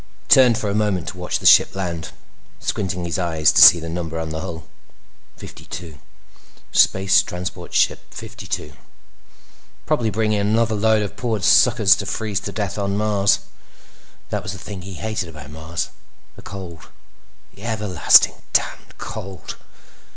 He turned for a moment to watch the ship land, squinting his eyes to see the number on the hull. Fifty two. Space Transport Ship Fifty two. Probably bringing another load of poor suckers to freeze to death on Mars. That was the thing he hated about Mars—the cold. The everlasting damned cold!